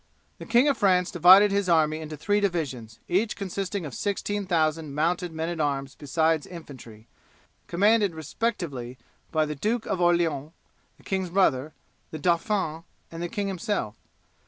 The King of France divided his army into three divisions, each consisting of 16,000 mounted men at arms besides infantry, commanded respectively by the Duke of Orleans, the king's brother, the dauphin, and the king himself.